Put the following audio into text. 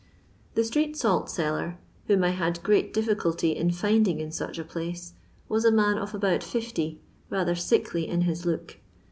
The street salt seller — whom I had great dif ficulty in finding in such a place — was a man of about 50, rather sickly in his look.